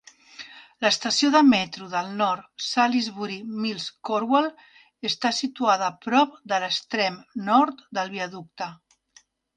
L'estació de metro del nord Salisbury Mills-Cornwall està situada prop de l'extrem nord del viaducte.